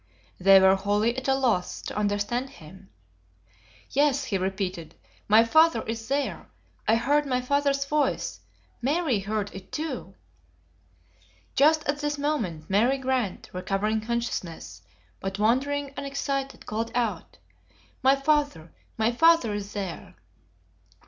They were wholly at a loss to understand him. "Yes!" he repeated, "my father is there! I heard my father's voice; Mary heard it too!" Just at this moment, Mary Grant recovering consciousness, but wandering and excited, called out, "My father! my father is there!"